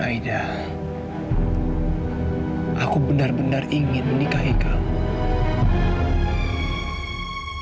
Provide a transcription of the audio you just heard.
aku benar benar ingin menikahi kamu